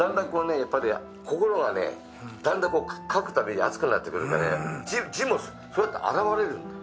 心がね、だんだん書くたびに熱くなってくるから、字もそうやってあらわれるんだよ。